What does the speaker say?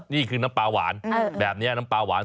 นี่คือน้ำปลาหวาน